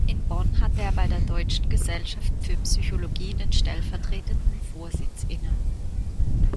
In Bonn hatte er bei der "Deutschen Gesellschaft für Psychologie" den stellvertretenden Vorsitz inne.